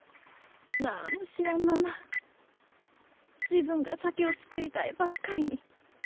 何も知らんまま自分が酒を造りたいばっかりに。